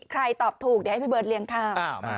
ตอบถูกเดี๋ยวให้พี่เบิร์เลี้ยงข้าว